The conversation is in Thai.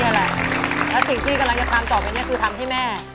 นี่แหละแล้วสิ่งที่พี่กำลังจะทำต่อไปนี่คือทำให้แม่